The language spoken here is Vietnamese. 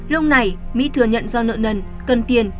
lúc này mỹ thừa nhận do nợ nần cần tiền